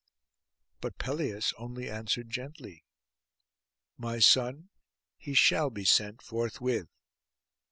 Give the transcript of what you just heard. But Pelias only answered gently, 'My son, he shall be sent forthwith.